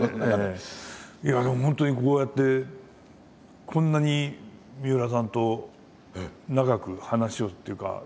いやでも本当にこうやってこんなにみうらさんと長く話をっていうか。